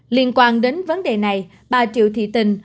liên quan đến vấn đề này bà triệu thị tình